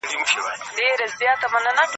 په خطي نسخو کې د رنګ لاندې توري لیدل کیږي.